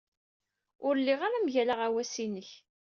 Ur lliɣ ara mgal aɣawas-inek.